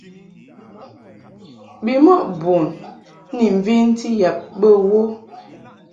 Bimɔʼ bun ni mventi yab bə wo.